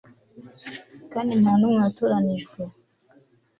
Kandi nta numwe watoranijwe